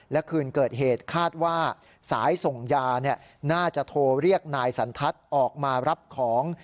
และคืนเกิดเหตุคาดว่าสายส่งยาน่าจะโทรเรียกนายสันทัศน์ออกมารับของ